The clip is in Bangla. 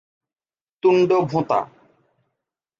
তুণ্ড ভোঁতা।